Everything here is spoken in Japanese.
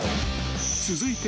［続いて］